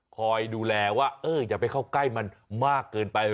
คอยดูแลว่าเอออย่าไปเข้าใกล้มันมากเกินไป